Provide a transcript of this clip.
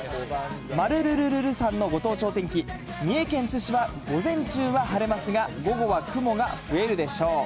まるるるるるさんのご当地お天気、三重県津市は午前中は晴れますが、午後は雲が増えるでしょう。